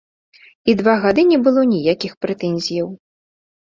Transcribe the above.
І два гады не было ніякіх прэтэнзіяў.